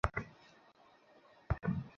নিন, আমি সাথে এক্সট্রা কপি রাখি।